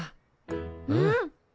うん。